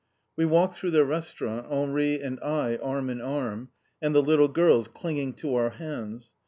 We walked through the Restaurant, Henri and I arm in arm, and the little girls clinging to our hands.